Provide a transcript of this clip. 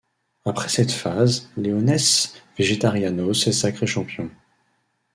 Après cette phase Leones Vegetarianos est sacré champion.